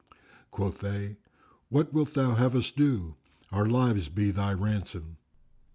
Quoth they, "What wilt thou have us do? Our lives be thy ransom!"